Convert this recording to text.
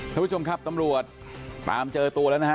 ท่านผู้ชมครับตำรวจตามเจอตัวแล้วนะฮะ